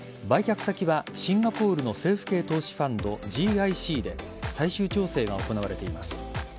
売却先はシンガポールの政府系投資ファンドＧＩＣで最終調整が行われています。